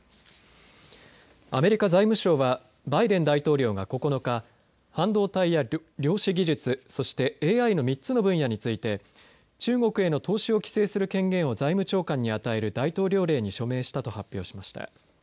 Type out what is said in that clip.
アメリカ財務省はバイデン大統領が９日、半導体や量子技術、そしてＡＩの３つの分野について中国への投資を規制する権限を財務長官に与える大統領令に署名したと発表しました。